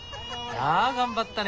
あ頑張ったね。